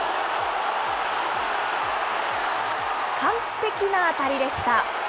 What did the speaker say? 完璧な当たりでした。